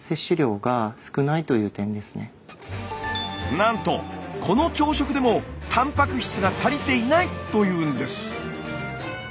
なんとこの朝食でもたんぱく質が足りていないというんです。